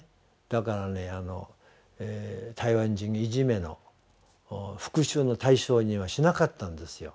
だからね台湾人いじめの復讐の対象にはしなかったんですよ。